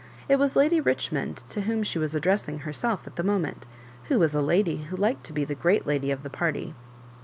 It was Lady Richmond to whom she was addressing herself at the moment, who was a lady who liked to be the great lady of the party.